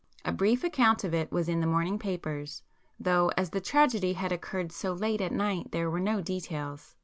A brief account of it was in the morning papers, though as the tragedy had occurred so late at night there were no details.